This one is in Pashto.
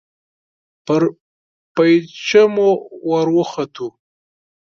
پر پېچومو ور وختو.